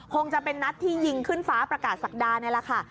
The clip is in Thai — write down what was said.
คงจะเป็นนัดที่ยิงขึ้นฟ้าประกาศศักดานี่แหละค่ะ